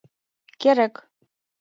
Керек!..